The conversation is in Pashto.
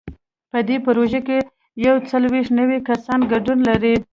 په دې پروژه کې یو څلوېښت نوي کسان ګډون لري.